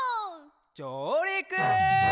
じょうりく！